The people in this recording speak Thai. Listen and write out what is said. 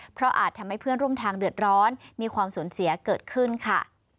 เพราะอาจทำให้เพื่อนร่วมทางเดือดร้อนมีความสูญเสียเกิดขึ้นค่ะ